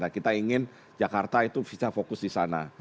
kita ingin jakarta itu bisa fokus di sana